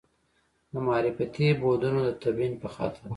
د معرفتي بعدونو د تبیین په خاطر.